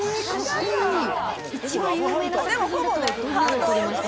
一番有名な作品だとどんなのを撮りました？